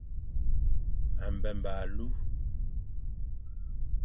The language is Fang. Mbemba alu.